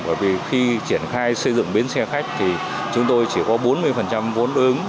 bởi vì khi triển khai xây dựng bến xe khách thì chúng tôi chỉ có bốn mươi vốn đối ứng